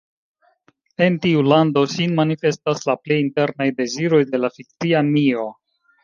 En tiu lando sin manifestas la plej internaj deziroj de la fikcia mio.